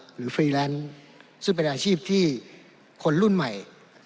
ฟรีแลนซ์ซึ่งเป็นอาชีพที่คนรุ่นใหม่